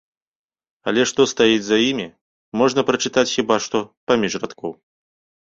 Але што стаіць за імі, можна прачытаць хіба што паміж радкоў.